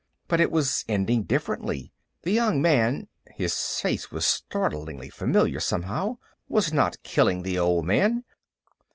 But it was ending differently. The young man his face was startlingly familiar, somehow was not killing the old man.